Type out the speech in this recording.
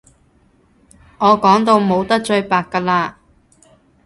我講到冇得再白㗎喇